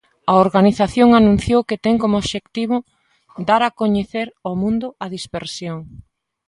A organización anunciou que ten como obxectivo "dar a coñecer ao mundo a dispersión".